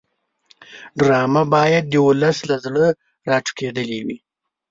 ډرامه باید د ولس له زړه راټوکېدلې وي